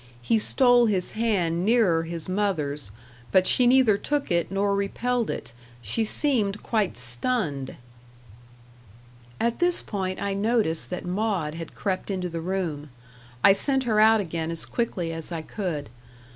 He stole his hand nearer his mother's, but she neither took it nor repelled it; she seemed quite stunned. At this point I noticed that Maud had crept into the room; I sent her out again as quickly as I could.